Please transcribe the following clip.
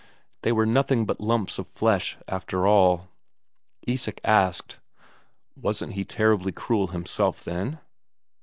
They were nothing but lumps of flesh after all." Isak asked: "Wasn't he terribly cruel himself, then?"